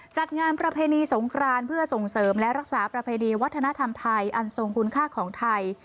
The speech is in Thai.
จัดงานประเพณีสงครานเพื่อส่งเสริมและรักษาประเพณีวัฒนธรรมไทยอันทรงคุณค่าของไทย